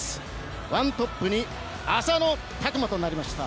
１トップに浅野拓磨となりました。